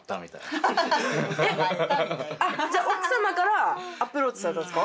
じゃ奥様からアプローチされたんですか？